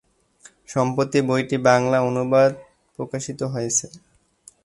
সম্প্রতি বইটির বাংলা অনুবাদ প্রকাশিত হয়েছে।